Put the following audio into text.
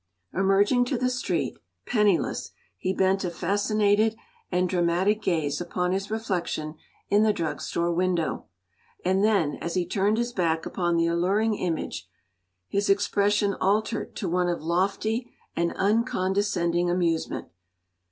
” Emerging to the street, penniless, he bent a fascinated and dramatic gaze upon his reflection in the drug store window, and then, as he turned his back upon the alluring image, his expression altered to one of lofty and uncondescending amusement.